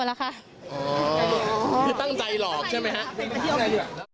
นี่ตั้งใจหลอกใช่ไหมคะ